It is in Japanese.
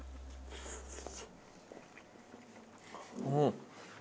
うん！